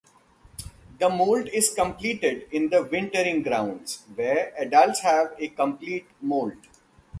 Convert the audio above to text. The moult is completed in the wintering grounds, where adults have a complete moult.